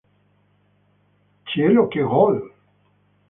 Cielo che gol!